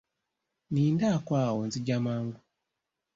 Nnindaako awo nzija mangu.